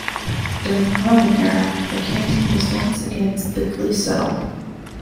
During the Roman era, the canton was once again thickly settled.